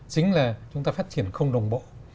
chính là chúng ta phát triển không đồng bộ